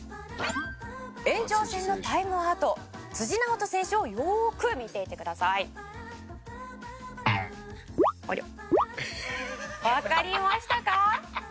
「延長戦のタイムアウト直人選手をよく見ていてください」「ありゃ」「わかりましたか？」